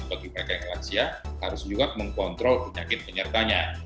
bagi mereka yang lansia harus juga mengkontrol penyakit penyertanya